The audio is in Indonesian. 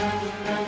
ya allah gimana ini